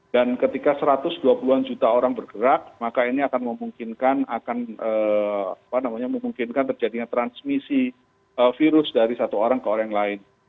dan ketika satu ratus dua puluh an juta orang bergerak maka ini akan memungkinkan terjadinya transmisi virus dari satu orang ke orang lain